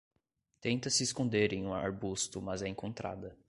Tenta se esconder em um arbusto, mas é encontrada